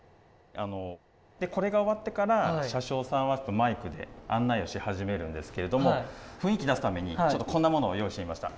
でこれが終わってから車掌さんはマイクで案内をし始めるんですけれども雰囲気出すためにちょっとこんなものを用意してみました。